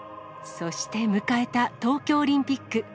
そして迎えた東京オリンピック。